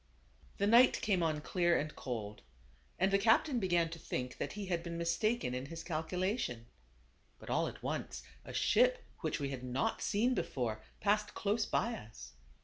The night came on clear and cold, and the cap tain began to think that he had been mistaken in his calculation. But all at once, a ship which we had not seen before, passed close by us.